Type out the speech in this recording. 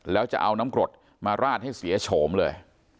แล้วจะเอาน้ำกรดมาราดให้เสียโฉมเลย